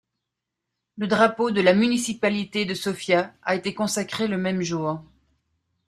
Le drapeau de la municipalité de Sofia a été consacré le même jour.